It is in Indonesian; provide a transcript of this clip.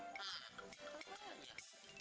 nah marah aja